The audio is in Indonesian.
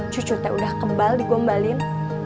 cucu teh udah kebal digombalin